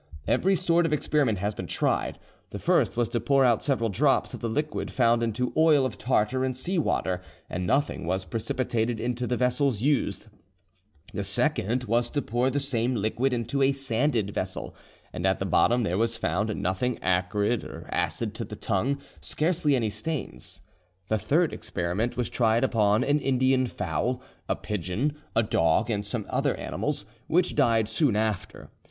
Every sort of experiment has been tried. The first was to pour out several drops of the liquid found into oil of tartar and sea water, and nothing was precipitated into the vessels used; the second was to pour the same liquid into a sanded vessel, and at the bottom there was found nothing acrid or acid to the tongue, scarcely any stains; the third experiment was tried upon an Indian fowl, a pigeon, a dog, and some other animals, which died soon after.